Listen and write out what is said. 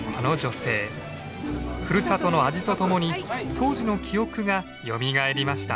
ふるさとの味とともに当時の記憶がよみがえりました。